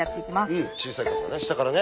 うん小さい数だね下からね。